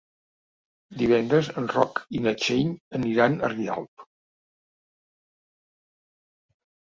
Divendres en Roc i na Txell aniran a Rialp.